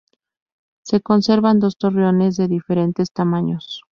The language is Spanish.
Se conservan dos torreones de diferentes tamaños.